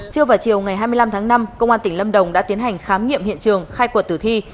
trưa vào chiều ngày hai mươi năm tháng năm công an tỉnh lâm đồng đã tiến hành khám nghiệm hiện trường khai quật tử thi